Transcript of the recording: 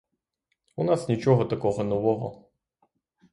У нас нічого такого нового.